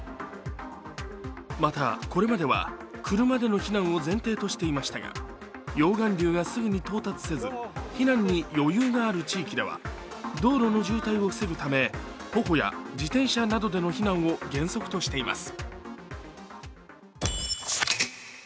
また、これまでは車での避難を前提としていましたが、溶岩流がすぐに到達せず避難に余裕がある地域では、道路の渋滞を防ぐため、徒歩や自転車などでの避難を原則としています。